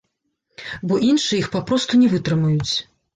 Бо іншыя іх папросту не вытрымаюць.